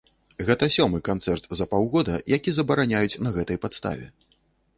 Гэта сёмы канцэрт за паўгода, які забараняюць на гэтай падставе.